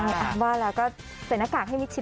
ใช่ว่าแล้วก็ใส่หน้ากากให้มิดชิด